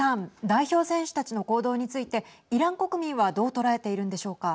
代表選手たちの行動についてイラン国民はどう捉えているんでしょうか。